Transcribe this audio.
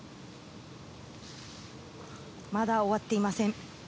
まだ終わっていません。